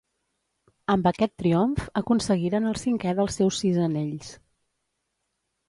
Amb aquest triomf aconseguiren el cinquè dels seus sis anells.